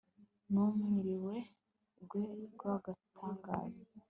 rumuri rwe rw'agatangaza